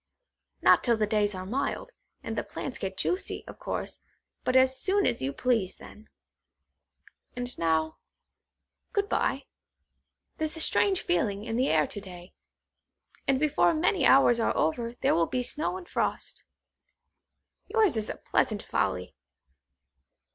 Not till the days are mild, and the plants get juicy, of course, but as soon as you please then. And now, good bye. There's a strange feeling in the air to day, and before many hours are over there will be snow and frost. Yours is a pleasant folly.